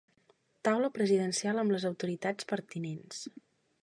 Taula presidencial amb les autoritats pertinents.